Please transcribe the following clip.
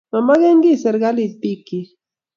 mamekengiy serikalit biikchich.